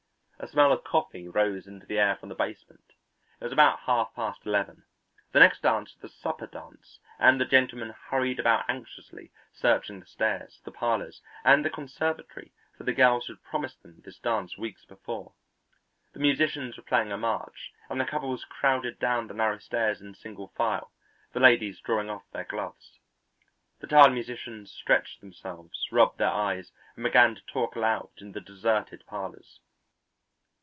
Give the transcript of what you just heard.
A smell of coffee rose into the air from the basement. It was about half past eleven; the next dance was the supper dance and the gentlemen hurried about anxiously searching the stairs, the parlours, and the conservatory for the girls who had promised them this dance weeks before. The musicians were playing a march, and the couples crowded down the narrow stairs in single file, the ladies drawing off their gloves. The tired musicians stretched themselves, rubbed their eyes, and began to talk aloud in the deserted parlours.